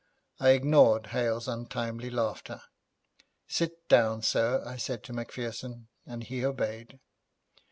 I ignored Hale's untimely laughter. 'Sit down, sir,' I said to Macpherson, and he obeyed.